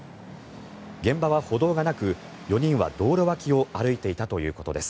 現場は歩道がなく４人は道路脇を歩いていたということです。